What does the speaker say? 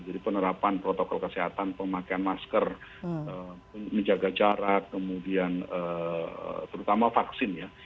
jadi penerapan protokol kesehatan pemakaian masker menjaga jarak kemudian terutama vaksin ya